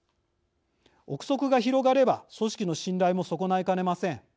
臆測が広がれば組織の信頼も損ないかねません。